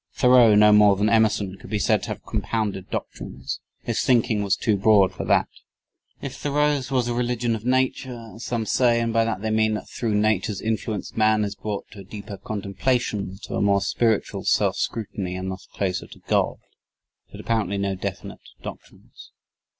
Thoreau no more than Emerson could be said to have compounded doctrines. His thinking was too broad for that. If Thoreau's was a religion of Nature, as some say, and by that they mean that through Nature's influence man is brought to a deeper contemplation, to a more spiritual self scrutiny, and thus closer to God, it had apparently no definite doctrines.